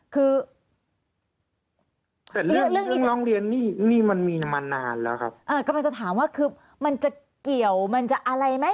คือแต่เรื่องเรื่องร้องเรียนนี่นี่มันมีมานานแล้วครับกำลังจะถามว่าคือมันจะเกี่ยวมันจะอะไรไหม